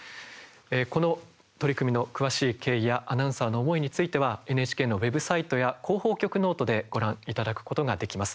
この取り組みの詳しい経緯やアナウンサーの思いについてはＮＨＫのウェブサイトや広報局ｎｏｔｅでご覧いただくことができます。